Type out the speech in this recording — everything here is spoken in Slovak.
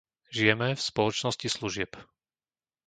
Žijeme v spoločnosti služieb.